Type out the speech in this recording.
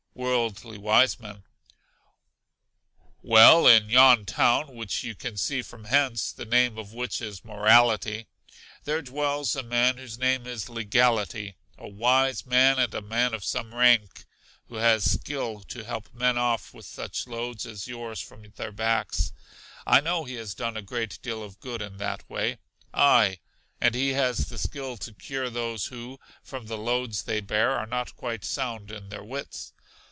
Worldly Wiseman. Well, in yon town, which you can see from hence the name of which is Morality there dwells a man whose name is Legality, a wise man, and a man of some rank, who has skill to help men off with such loads as yours from their backs; I know he has done a great deal for good in that way; aye, and he has the skill to cure those who, from the loads they bear, are not quite sound in their wits.